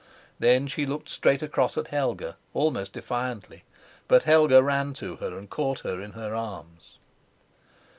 Then she looked straight across at Helga, almost defiantly; but Helga ran to her and caught her in her arms.